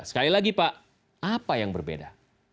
sekali lagi pak apa yang berbeda